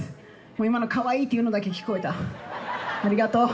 今の「かわいい」っていうのだけ聞こえたありがとう！